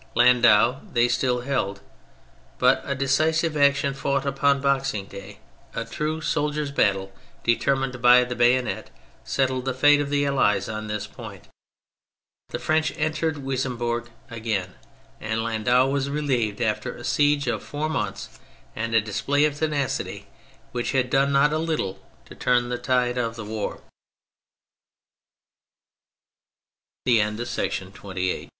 Landau they still held; but a decisive action fought upon Boxing Day, a true soldiers' battle, determined by the bayonet, settled the fate of the Allies on this point. The French entered Wissembourg again, and Landau was relieved after a siege of four months and a display of tenacity which had done not a